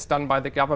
anh có thể nói về